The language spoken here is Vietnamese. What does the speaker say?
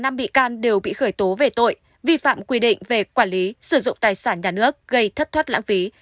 năm bị can đều bị khởi tố về tội vi phạm quy định về quản lý sử dụng tài sản nhà nước gây thất thoát lãng phí